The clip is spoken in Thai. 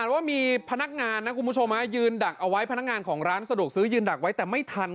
ถ้ามีอนตรงนักผู้ชมพนักงานของร้านสะดวกซื้อยื้นดักไว้แต่ไม่ทัน